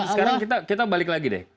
sekarang kita balik lagi deh